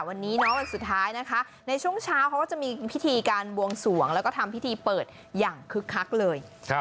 วันนี้วันสุดท้ายนะคะในช่วงเช้าเขาก็จะมีพิธีการบวงสวงแล้วก็ทำพิธีเปิดอย่างคึกคักเลย